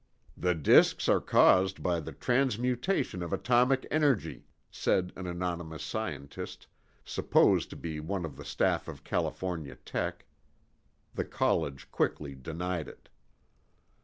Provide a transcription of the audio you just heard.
"The disks are caused by the transmutation of atomic energy," said an anonymous scientist, supposed to be on the staff of California Tech. The college quickly denied it.